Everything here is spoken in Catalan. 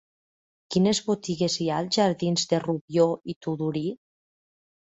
Quines botigues hi ha als jardins de Rubió i Tudurí?